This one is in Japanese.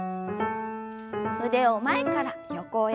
腕を前から横へ。